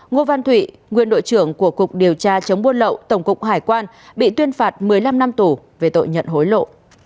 nguyên đội trưởng của cục điều tra chống buôn lậu tổng cục hải quan bị tuyên phạt một mươi năm năm tù về tội nhận hối lộ